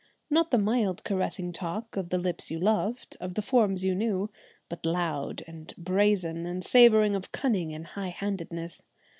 not the mild caressing talk of the lips you loved, of the forms you knew, but loud and brazen, and savouring of cunning and high handedness.